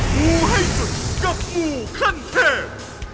หมู่ให้สุดกับหมู่ครันเทพ